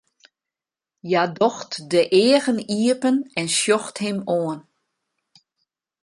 Hja docht de eagen iepen en sjocht him oan.